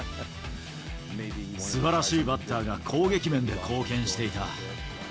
すばらしいバッターが攻撃面で貢献していた。